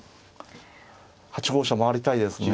８五飛車回りたいですね。